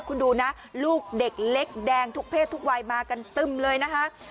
คุณดูนะลูกเด็กเล็กแดงทุกเพศทุกวัยมากันตึมเลยนะคะ